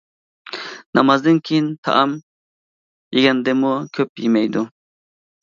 نامازدىن كېيىن تائام يېگەندىمۇ كۆپ يېمەيدۇ.